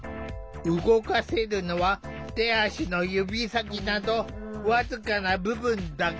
動かせるのは手足の指先など僅かな部分だけ。